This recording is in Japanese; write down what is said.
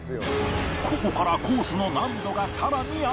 ここからコースの難度が更にアップ